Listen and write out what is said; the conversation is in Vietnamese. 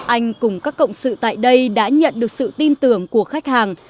anh cùng các cộng sự tại đây đã nhận được sự tin tưởng của khách hàng